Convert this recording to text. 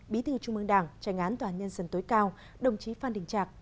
bí thư trung mương đảng trành án toàn nhân dân tối cao đồng chí phan đình trạc